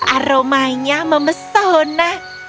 aromanya memesah honah